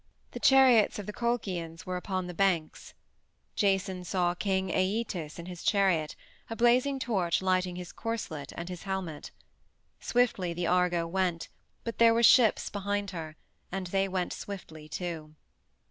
The chariots of the Colchians were upon the banks. Jason saw King Æetes in his chariot, a blazing torch lighting his corselet and his helmet. Swiftly the Argo went, but there were ships behind her, and they went swiftly too.